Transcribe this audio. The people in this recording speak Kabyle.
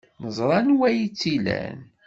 Neẓra anwa ay tt-ilan.